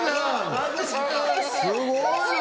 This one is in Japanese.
すごいね！